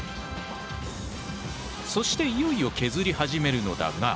そしていよいよ削り始めるのだが。